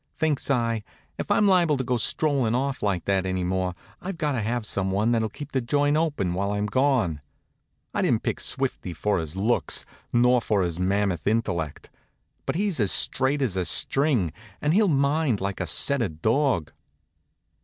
Thinks I; if I'm liable to go strollin' off like that any more, I've got to have someone that'll keep the joint open while I'm gone. I didn't pick Swifty for his looks, nor for his mammoth intellect. But he's as straight as a string, and he'll mind like a setter dog.